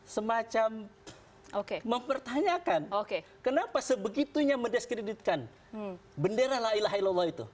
semacam mempertanyakan kenapa sebegitunya mendiskreditkan bendera la ilaha ilallah itu